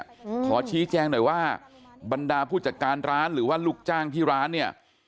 อืมขอชี้แจงหน่อยว่าบรรดาผู้จัดการร้านหรือว่าลูกจ้างที่ร้านเนี้ย